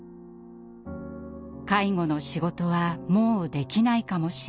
介護の仕事はもうできないかもしれない。